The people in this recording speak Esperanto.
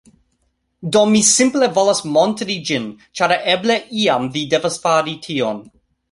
Do, mi simple volas montri ĝin ĉar eble iam vi devas fari tion